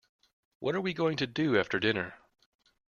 What are we going to do after dinner?